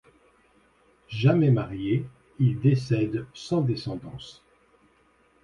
Jamais marié, il décède sans descendance.